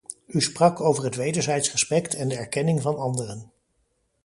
U sprak over het wederzijds respect en de erkenning van anderen.